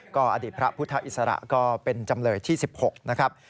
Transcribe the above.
ก็อดีตพระพุทธอิสระก็เป็นจำเลยที่๑๖นะครับ